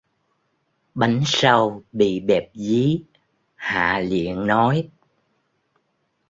Bánh sau bị bẹp dí, Hạ liện nói